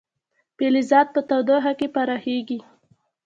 فلزات په تودوخه کې پراخېږي.